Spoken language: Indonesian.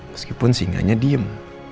meskipun singanya diem